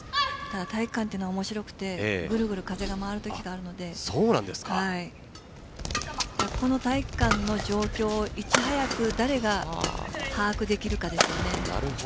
体育館は面白くてぐるぐる風が回るときがあるので体育館の状況をいち早く誰が把握できるかですよね。